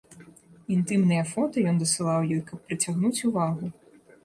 Інтымныя фота ён дасылаў ёй, каб прыцягнуць увагу.